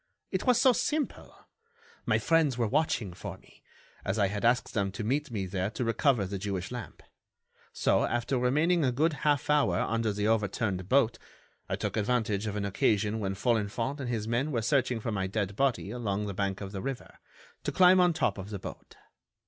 "It was so simple! My friends were watching for me, as I had asked them to meet me there to recover the Jewish lamp. So, after remaining a good half hour under the overturned boat, I took advantage of an occasion when Folenfant and his men were searching for my dead body along the bank of the river, to climb on top of the boat.